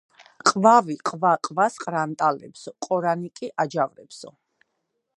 ყვავი ყვა-ყვას ყრანტალებსო, ყორანი კი აჯავრებსო.